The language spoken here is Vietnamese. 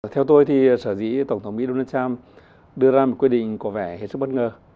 theo tôi thì sở dĩ tổng thống mỹ donald trump đưa ra một quy định có vẻ hết sức bất ngờ